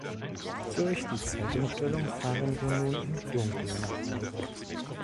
Durch die Zeitumstellung fahren wir nun im Dunkeln nach Hause.